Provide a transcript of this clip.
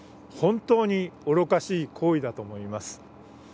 本当に愚かしい行為だと思います。